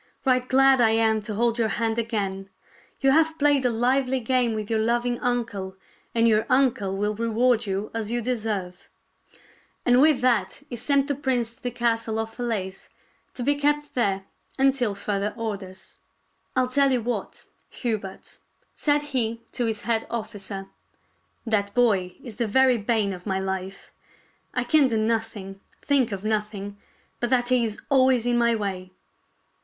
" Right glad I am to hold your hand again. You have played a lively game with your loving uncle, and your uncle will reward you as you deserve." And with that he sent the prince to the castle of Falaise, to be kept there until further orders. ■' I'll tell you what, Hubert," said he to his head officer, " that boy is the very bane of my life. I can KING JOHN AND PRINCE ARTHUR 113 do nothing, think of nothing, but that he is always in my way.